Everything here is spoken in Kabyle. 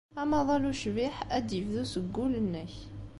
Amaḍal ucbiḥ ad d-yebdu seg wul-nnek.